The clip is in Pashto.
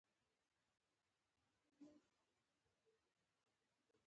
هلته رابرټ په کمپيوټر کې د دوئ انګړ څاره.